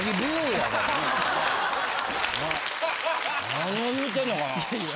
何を言うてんのかなと思って。